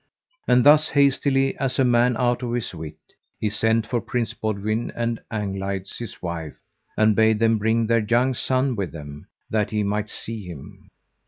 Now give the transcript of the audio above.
And thus, hastily, as a man out of his wit, he sent for Prince Boudwin and Anglides his wife, and bade them bring their young son with them, that he might see him.